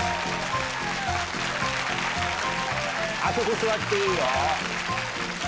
あそこ座っていいよ。